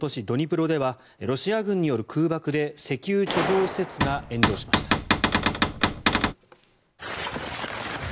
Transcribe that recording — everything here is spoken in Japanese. ドニプロではロシア軍による空爆で石油貯蔵施設が炎上しました。